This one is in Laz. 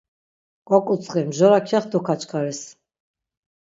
Goǩutsxi, mjora kextu Kaçkaris.